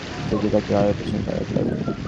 তুই কি তাকে কারাগারের পিছন চাটাতে পারবি?